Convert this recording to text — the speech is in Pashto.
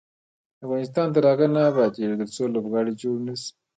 افغانستان تر هغو نه ابادیږي، ترڅو لوبغالي جوړ نشي.